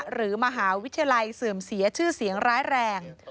หรือมหาวิทยาลัยเสื่อมเสียชื่อเสียงร้ายแรง